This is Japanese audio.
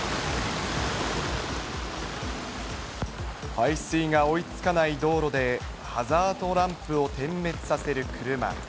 排水が追いつかない道路で、ハザードランプを点滅させる車。